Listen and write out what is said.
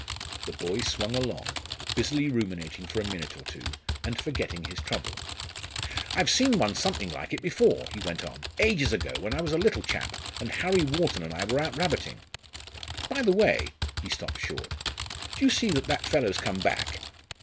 The boy swung along, busily ruminating for a minute or two, and forgetting his trouble. "I've seen one something like it before," he went on "ages ago, when I was a little chap, and Harry Wharton and I were out rabbiting. By the way " he stopped short "do you see that that fellow's come back?"